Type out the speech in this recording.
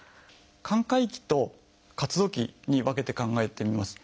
寛解期と活動期に分けて考えてみます。